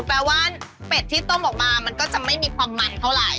แปลว่าเป็ดที่ต้มออกมามันก็จะไม่มีความมันเท่าไหร่